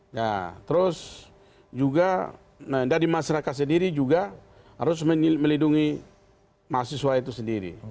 ya terus juga dari masyarakat sendiri juga harus melindungi mahasiswa itu sendiri